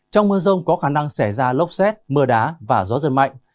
trong mưa rông có khả năng xảy ra lốc xét mưa đá và gió giật mạnh